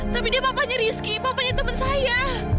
tapi dia bapaknya rizky bapaknya teman saya